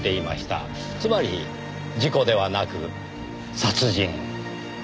つまり事故ではなく殺人。